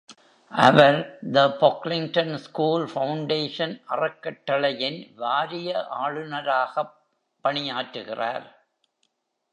Our The Pocklington School Foundation அறக்கட்டளையின் வாரிய ஆளுநராகப் பணியாற்றுகிறார்.